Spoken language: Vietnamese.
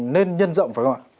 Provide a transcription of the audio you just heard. nên nhân rộng phải không ạ